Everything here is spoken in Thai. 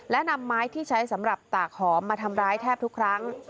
และนำไม้ที่ใช้สำหรับตากหอมมาทำร้ายแทบทุกครั้ง